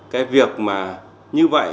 cái việc mà như vậy